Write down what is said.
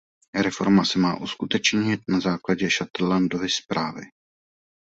Reforma se má uskutečnit na základě Sutherlandovy zprávy.